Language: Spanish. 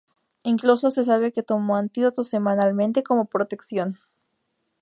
Incluso se sabe que tomó antídotos semanalmente como protección.